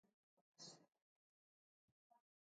Ondoren, munduko jokalari onenen analista izan zen.